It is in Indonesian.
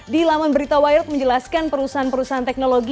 di laman berita wired menjelaskan perusahaan perusahaan teknologi